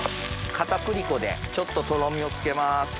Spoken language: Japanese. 片栗粉でちょっととろみをつけます。